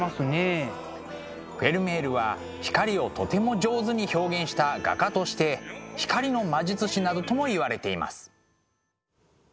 フェルメールは光をとても上手に表現した画家として光の魔術師などともいわれています。